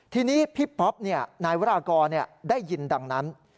ทีนี้พี่ป๊อปนายวรากรได้ยินดังนั้น